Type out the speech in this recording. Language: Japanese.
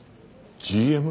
ＧＭ？